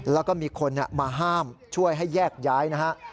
แล้วก็มีคนมาห้ามช่วยให้แยกย้ายนะฮะ